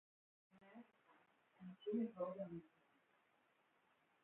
ואני אומר לך - אנשים יבואו בהמוניהם